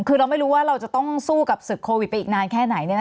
คือเราไม่รู้ว่าเราจะต้องสู้กับศึกโควิดไปอีกนานแค่ไหน